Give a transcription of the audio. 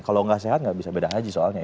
kalau nggak sehat nggak bisa beda haji soalnya ya